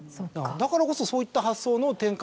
だからこそそういった。